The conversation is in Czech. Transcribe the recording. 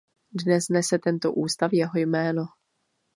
Dnes nese tento ústav jeho jméno.